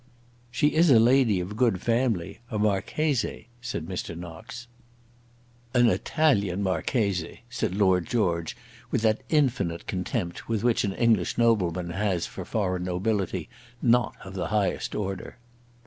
"She is a lady of good family, a Marchese," said Mr. Knox. "An Italian Marchese!" said Lord George, with that infinite contempt which an English nobleman has for foreign nobility not of the highest order.